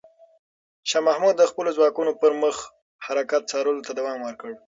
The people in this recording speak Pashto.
شاه محمود د خپلو ځواکونو پر مخ حرکت څارلو ته دوام ورکړ.